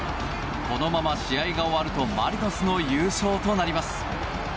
このまま試合が終わるとマリノスの優勝となります。